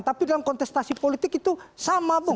tapi dalam kontestasi politik itu sama bung